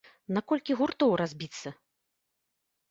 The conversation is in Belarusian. На колькі гуртоў разбіцца?